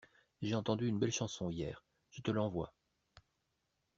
J'ai entendu une belle chanson hier, je te l'envoie.